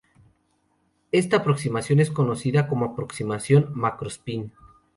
Esta aproximación es conocida como aproximación "macro-spin".